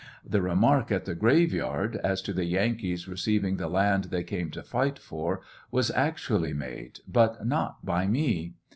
The remark at the graveyard as to the Yankees receiving thi land they came to fight for, was actually made, but not by me.